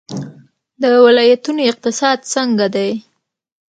د ولایتونو اقتصاد څنګه دی؟